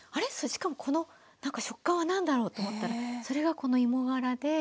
しかもこのなんか食感は何だろう？」と思ったらそれがこの芋がらで。